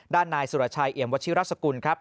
ด้านนายสุรชัยเหยียมวชิรัฐสกุลครับ